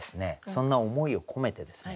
そんな思いを込めてですね